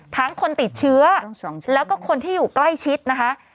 คนติดเชื้อแล้วก็คนที่อยู่ใกล้ชิดนะคะ